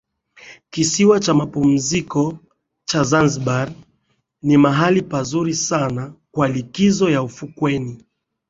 kisiwa cha mapumziko cha Zanzibar ni mahali pazuri sana kwa likizo ya ufukweni